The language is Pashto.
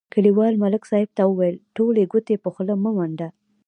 کلیوال ملک صاحب ته ویل: ټولې ګوتې په خوله مه منډه.